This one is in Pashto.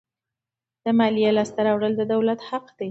د مالیې لاسته راوړل د دولت حق دی.